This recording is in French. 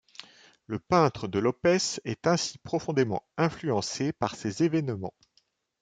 La peinture de Lopes est ainsi profondément influencée par ces événements.